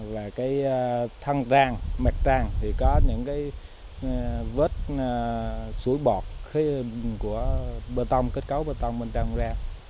và cái thân tràn mặt tràn thì có những cái vết sủi bọt của bơ tông kết cấu bơ tông bên trong tràn